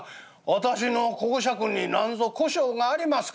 私の講釈になんぞ故障がありますか？」。